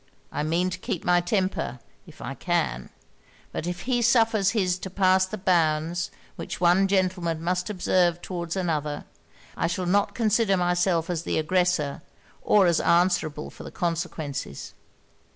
I mean to keep my temper, if I can: but if he suffers his to pass the bounds which one gentleman must observe towards another, I shall not consider myself as the aggressor, or as answerable for the consequences.'